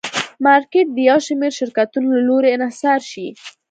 مارکېټ د یو شمېر شرکتونو له لوري انحصار شي.